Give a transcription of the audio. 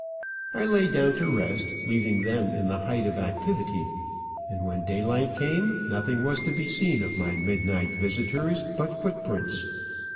I lay down to rest, leaving them in the height of activity, and when daylight came nothing was to be seen of my midnight visitors but footprints.